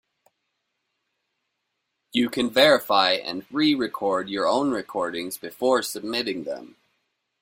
You can verify and re-record your own recordings before submitting them.